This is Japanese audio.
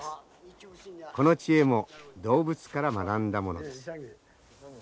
この知恵も動物から学んだものです。